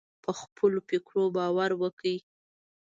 پر خپلو فکرونو باور وکړئ.